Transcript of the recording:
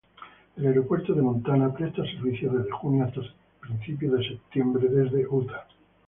El aeropuerto de Montana, presta servicios desde junio hasta principios de septiembre, desde Utah.